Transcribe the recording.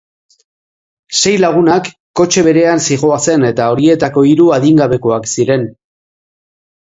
Sei lagunak kotxe berean zihoazen eta horietako hiru adingabekoak ziren.